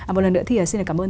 một lần nữa thì xin cảm ơn